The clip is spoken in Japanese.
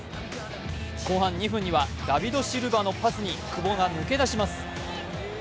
後半２分にはダビド・シルバのパスに久保が抜け出します。